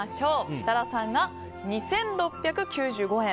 設楽さんが２６９５円。